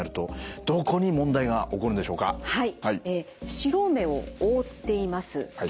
白目を覆っています結膜